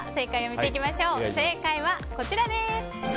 正解はこちらです。